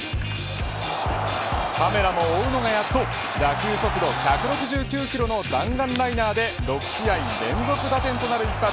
カメラも追うのがやっと打球速度１６９キロの弾丸ライナーで６試合連続打点となる一発。